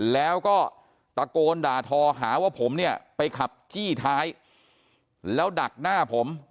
แล้วก็ตะโกนด่าทอหาว่าผมเนี่ยไปขับจี้ท้ายแล้วดักหน้าผม